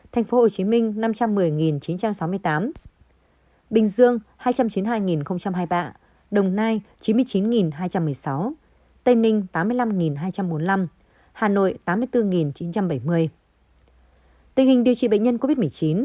tình hình điều trị bệnh nhân covid một mươi chín